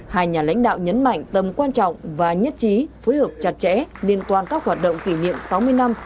hai nhà lãnh đạo nhấn mạnh tầm quan trọng và nhất trí phối hợp chặt chẽ liên quan các hoạt động kỷ niệm sáu mươi năm